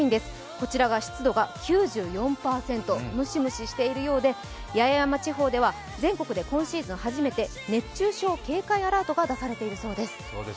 こちらが湿度が９４％、ムシムシしているようで、八重山地方では全国で今シーズン初めて熱中症警戒アラートが出されているそうです。